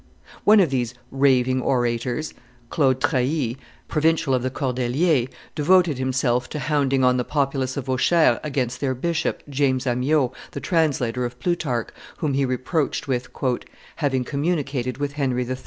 One of these raving orators, Claude Trahy, provincial of the Cordeliers, devoted himself to hounding on the populace of Auxerre against their bishop, James Amyot, the translator of Plutarch, whom he reproached with "having communicated with Henry III.